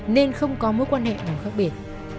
nên không có mối quan hệ nào khác biệt